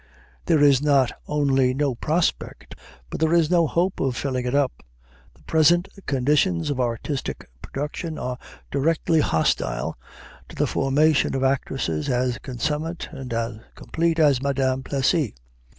There is not only no prospect, but there is no hope of filling it up. The present conditions of artistic production are directly hostile to the formation of actresses as consummate and as complete as Madame Plessy.